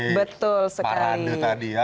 berbagai parade tadi ya